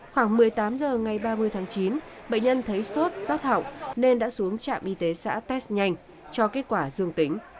khoảng một mươi tám giờ ngày ba mươi tháng chín bệnh nhân thấy suốt giáp học nên đã xuống trạm y tế xã test nhanh cho kết quả dương tính